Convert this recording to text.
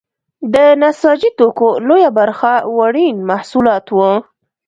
د نساجي توکو لویه برخه وړین محصولات وو.